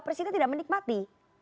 presiden tidak menikmati